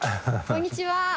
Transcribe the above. こんにちは。